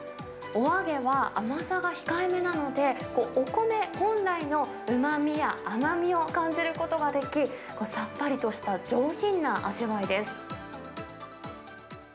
お揚げは、甘さが控え目なので、お米本来のうまみや甘みを感じることができ、さっぱりとした上品な味わいです。